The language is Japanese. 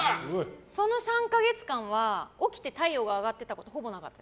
その３か月間は起きて太陽が上がってたことがほぼなかった。